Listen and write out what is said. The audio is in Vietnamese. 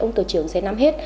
ông tổ trưởng sẽ nắm hết